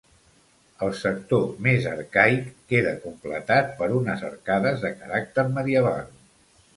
El sector més arcaic queda completat per unes arcades de caràcter medieval.